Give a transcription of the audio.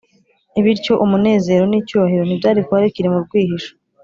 . Bityo umunezero n’icyubahiro ntibyari kuba bikiri mu rwihisho